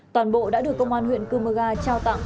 toàn bộ đã được công an huyện cơ mơ ga trao tặng